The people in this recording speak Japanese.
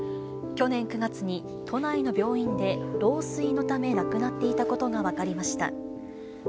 去年９月に都内の病院で、老衰のため亡くなっていたことが分かりました。